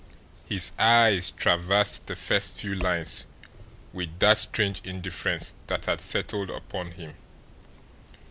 His eyes traversed the first few lines with that strange indifference that had settled upon him.